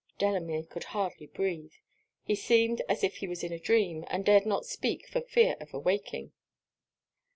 Delamere could hardly breathe. He seemed as if he was in a dream, and dared not speak for fear of awaking.